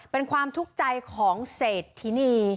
เป็นความทุกข์ใจของเศรษฐินี